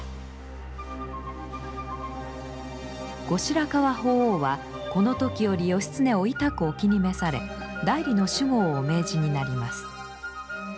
後白河法皇はこの時より義経をいたくお気に召され内裏の守護をお命じになります。